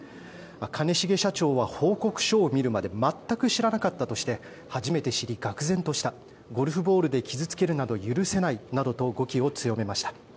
兼重社長は報告書を見るまで全く知らなかったとして初めて知り、がくぜんとしたゴルフボールで傷付けるなど許せないなどと語気を強めました。